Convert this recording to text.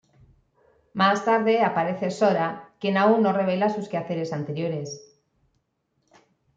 Más tarde aparece Sora, quien aún no revela sus quehaceres anteriores.